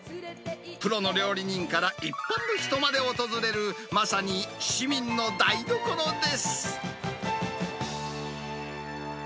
プロの料理人から一般の人まで訪れる、まさに市民の台所です。